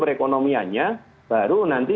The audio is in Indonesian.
ekonomianya baru nanti